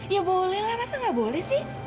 ya boleh lah masa gak boleh sih